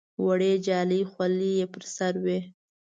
وړې جالۍ خولۍ یې پر سر وې.